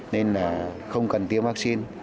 nên là không cần tiêm vaccine